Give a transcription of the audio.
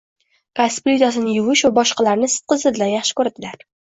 gaz plitasini yuvish va boshqalarni sidqidildan yaxshi ko‘radilar.